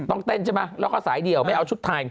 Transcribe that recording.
เต้นใช่ไหมแล้วก็สายเดี่ยวไม่เอาชุดไทย